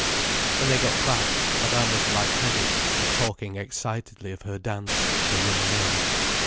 When they got back, Madame was light headed, and talking excitedly of her dance, her young men.